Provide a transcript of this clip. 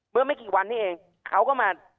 เมื่อไม่กี่วันนี้เองเขาก็มา